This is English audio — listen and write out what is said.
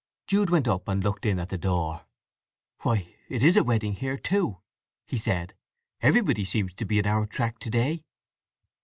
Jude went up and looked in at the door. "Why—it is a wedding here too," he said. "Everybody seems to be on our tack to day."